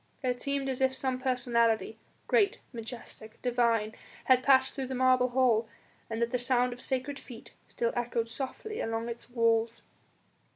It seemed as if some personality great, majestic, divine had passed through the marble hall and that the sound of sacred feet still echoed softly along its walls.